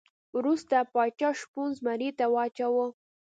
وروسته پاچا شپون زمري ته واچاوه.